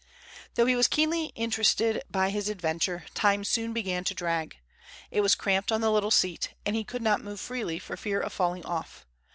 Though he was keenly interested by his adventure, time soon began to drag. It was cramped on the little seat, and he could not move freely for fear of falling off.